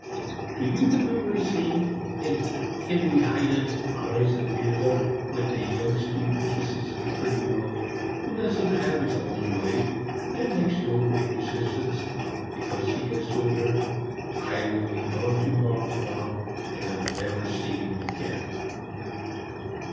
Do you remember a scene in Henry Heine's 'Reisebilder,' when a young student kisses a pretty girl, who lets him have his own way and makes no great resistance, because he has told her, 'I will be gone to morrow at dawn, and I will never see you again'?